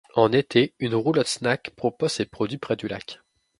En été, une roulotte-snack propose ses produits près du lac.